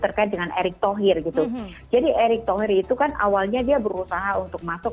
terkait dengan erick thohir gitu jadi erick thohir itu kan awalnya dia berusaha untuk masuk